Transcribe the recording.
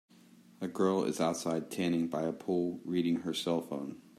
A girl is outside tanning by a pool reading her cellphone.